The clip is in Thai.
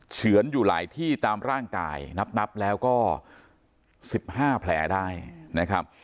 เฉือนอยู่หลายที่ตามร่างกายนับแล้วก็๑๕แผลได้นะครับ